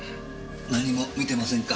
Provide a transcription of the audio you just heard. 何も見てませんか？